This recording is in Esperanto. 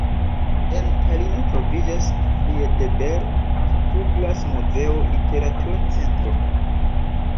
En Talino troviĝas Friedebert-Tuglas-muzeo, literatura centro.